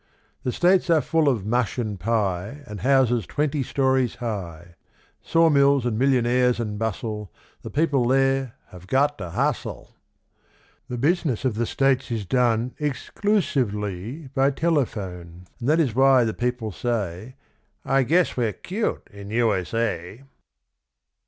The States are full of mush and pie And houses twenty stories high, Saw mills and millionaires and bustle; The people there "have got to hustle." The business of the States is done Ex clu sive ly by telephone; And that is why the people say, "I guess we're 'cute in U. S. A."